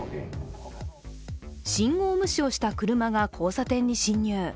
信号無視をした車が交差点に進入。